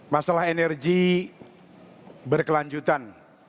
masalah energi berkelanjutan